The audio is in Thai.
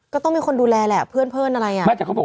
ก็ต้องมีคนดูแลแหละ